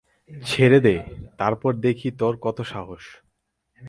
ছেড়ে দে, তারপর দেখি তোর কত সাহস!